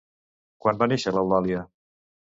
Quan va néixer l'Eulàlia?